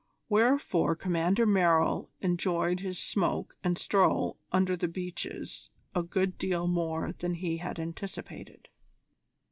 Wherefore Commander Merrill enjoyed his smoke and stroll under the beeches a good deal more than he had anticipated.